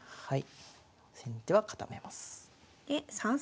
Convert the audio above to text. はい。